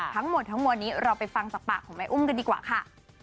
ทั้งหมดทั้งมวลนี้เราไปฟังจากปากของแม่อุ้มกันดีกว่าค่ะ